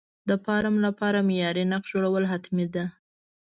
د فارم لپاره معیاري نقشه جوړول حتمي ده.